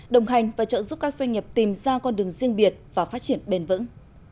đồng hành và trợ giúp các doanh nghiệp tìm ra con đường riêng biệt và phát triển bền vững